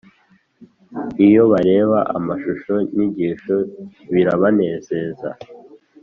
iyo bareba amashusho nyigisho birabanezeza